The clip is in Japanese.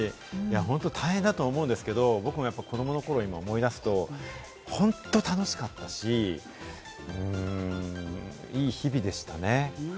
本当、大変だと思うんですけれども、僕も子どもの頃を今、思い出すと本当楽しかったし、いい日々でしたね。